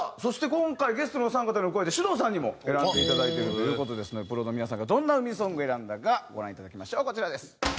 今回ゲストのお三方に加えてｓｙｕｄｏｕさんにも選んでいただいているという事ですのでプロの皆さんがどんな海ソング選んだかご覧いただきましょうこちらです。